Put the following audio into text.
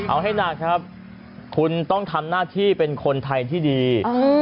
เอาให้หนักครับคุณต้องทำหน้าที่เป็นคนไทยที่ดี